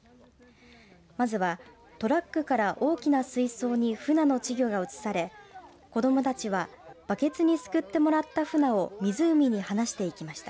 まずはトラックから大きな水槽にフナの稚魚が移され子どもたちはバケツにすくってもらったフナを湖に放していきました。